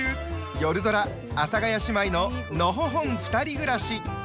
よるドラ「阿佐ヶ谷姉妹ののほほんふたり暮らし」。